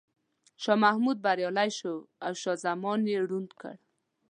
شاه محمود بریالی شو او شاه زمان یې ړوند کړ.